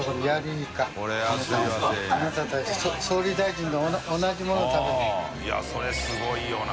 繊いそれすごいよな。